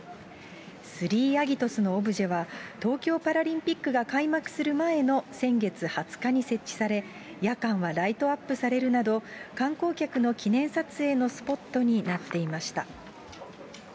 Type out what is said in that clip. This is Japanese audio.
スリーアギトスのオブジェは、東京パラリンピックが開幕する前の先月２０日に設置され、夜間はライトアップされるなど、観光客の記念撮影のスポットになっていました。